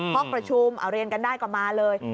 ห้องประชุมเอาเรียนกันได้ก็มาเลย